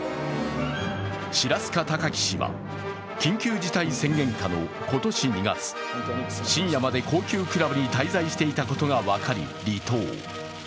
白須賀貴樹氏は、緊急事態宣言下の今年２月、深夜まで高級クラブに滞在していたことが分かり、離党。